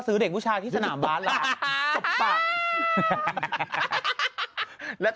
ซื้อเด็กผู้ชายที่สนามบ้านแล้ว